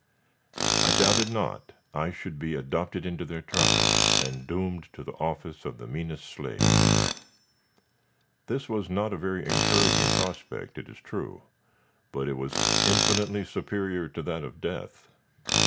I doubted not I should be adopted into their tribe, and doomed to the office of the meanest slave. This was not a very encouraging prospect it is true, but it was infinitely superior to that of death.